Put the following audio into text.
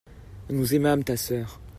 nous aimâmes ta sœur.